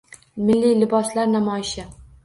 Milliy liboslar namoyishi